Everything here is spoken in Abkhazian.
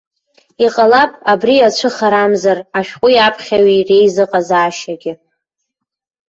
Иҟалап, абри иацәыхарамзар ашәҟәи аԥхьаҩи реизыҟазаашьагьы.